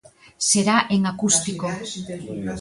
Será en acústico.